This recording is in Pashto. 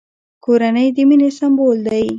کورنۍ د مینې سمبول دی!